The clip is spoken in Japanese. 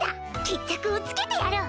決着をつけてやる！